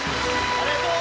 ありがとう！